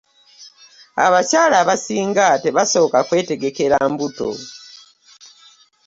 Abakyala abasinga tebasooka kwetegekera mbuto.